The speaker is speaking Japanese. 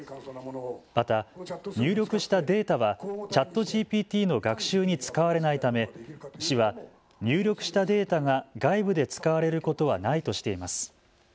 また入力したデータはＣｈａｔＧＰＴの学習に使われないため、市は入力したデータが外部で使われることはないとしています。